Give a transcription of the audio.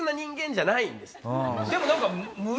でも何か。